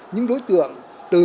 những đối tượng từ